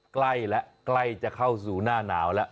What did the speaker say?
ใกล้แล้วใกล้จะเข้าสู่หน้าหนาวแล้ว